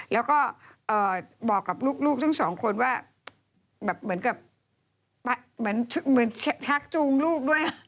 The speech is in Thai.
แล้วก็บอกกับลูกทั้งสองคนว่าแบบเหมือนกับเหมือนชักจูงลูกด้วย